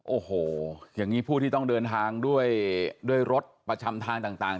โอ้โหอย่างนี้ผู้ที่ต้องเดินทางด้วยด้วยรถประจำทางต่าง